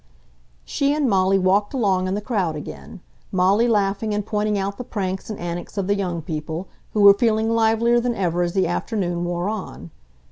She and Molly walked along in the crowd again, Molly laughing and pointing out the pranks and antics of the young people, who were feeling livelier than ever as the afternoon wore on.